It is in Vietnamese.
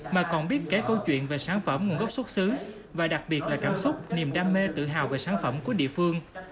mà còn biết kể câu chuyện về sản phẩm nguồn gốc xuất xứ và đặc biệt là cảm xúc niềm đam mê tự hào về sản phẩm của địa phương